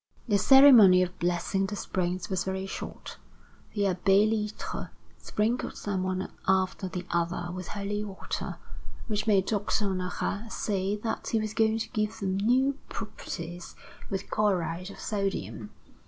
The ceremony of blessing the springs was very short. The Abbé Litre sprinkled them one after the other with holy water, which made Doctor Honorat say that he was going to give them new properties with chloride of sodium.